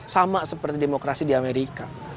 sama seperti demokrasi di amerika